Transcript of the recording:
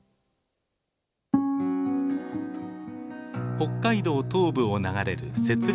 北海道東部を流れる雪裡川。